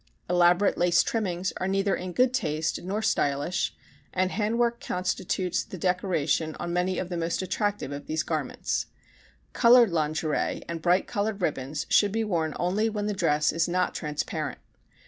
Elaborate lace trimmings are neither in good taste nor stylish, and handwork constitutes the decoration on many of the most attractive of these garments. Colored lingerie and bright colored ribbons should be worn only when the dress is not transparent.